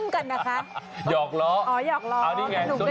เขาต่อยหรือเขาจิ้มกันนะคะ